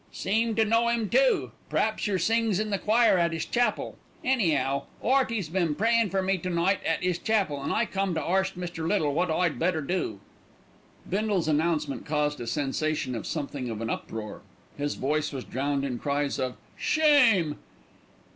"Seem to know 'im too. P'r'aps yer sings in the choir at 'is chapel. Any'ow, 'Earty's been prayin' for me to night at 'is chapel, an' I come to arst Mr. Little wot I'd better do." Bindle's announcement caused a sensation and something of an uproar. His voice was drowned in cries of "Shame!"